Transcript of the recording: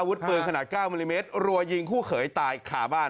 ปืนขนาด๙มิลลิเมตรรัวยิงคู่เขยตายขาบ้าน